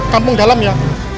kampung dalam ya